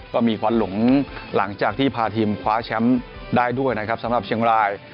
ก็มีควันหลงหลังจากที่พาทีมคว้าแชมป์ได้ด้วยนะครับสำหรับเชียงราย